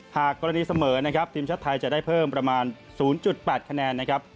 หากกรณีเสมอนะครับทีมชาติไทยจะได้เพิ่มประมาณ๐๘คะแนนนะครับ